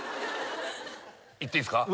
いっていいっすか？